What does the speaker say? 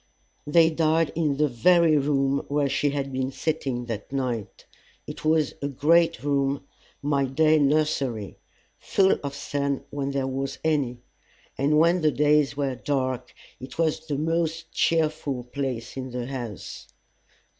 They died in the very room where she had been sitting that night. It was a great room, my day nursery, full of sun when there was any; and when the days were dark it was the most cheerful place in the house.